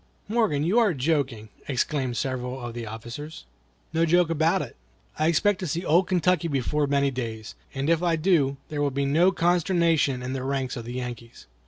"Morgan, you are joking!" exclaimed several of the officers. "No joke about it. I expect to see old Kentucky before many days; and if I do, there will be consternation in the ranks of the Yankees."